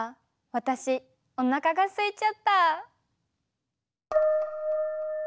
私おなかがすいちゃった。